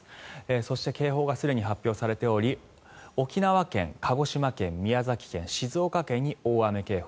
そして、警報がすでに発表されており沖縄県、鹿児島県、宮崎県静岡県に大雨警報。